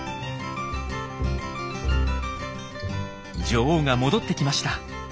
女王が戻ってきました。